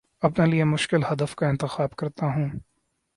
اپنے لیے مشکل ہدف کا انتخاب کرتا ہوں